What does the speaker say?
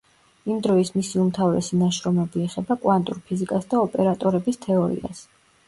იმ დროის მისი უმთავრესი ნაშრომები ეხება კვანტურ ფიზიკას და ოპერატორების თეორიას.